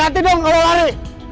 hati dong kalau lari